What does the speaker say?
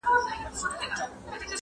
خدای دي درکړۍ عوضونه مومنانو!